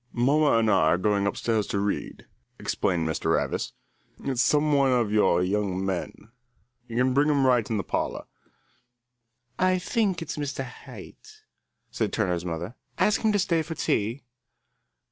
"Mamma and I are going upstairs to read," explained Mr. Ravis. "It's some one of your young men. You can bring him right in the parlour." "I think it's Mr. Haight," said Turner's mother. "Ask him to stay to tea."